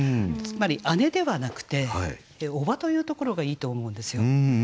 つまり姉ではなくて叔母というところがいいと思うんですよ。